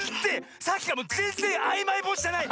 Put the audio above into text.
さっきからぜんぜんあいまい星じゃない。